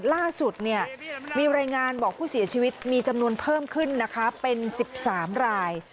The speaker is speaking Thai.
ล่าสุดมีรายงานบอกผู้เสียชีวิตมีจำนวนเพิ่มขึ้นนะคะเป็น๑๓ราย